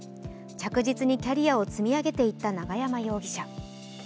着実にキャリアを積み上げていった永山容疑者。